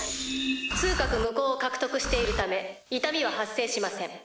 痛覚無効を獲得しているため痛みは発生しません。